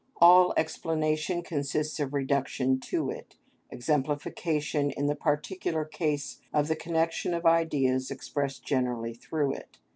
All explanation consists of reduction to it, exemplification in the particular case of the connection of ideas expressed generally through it.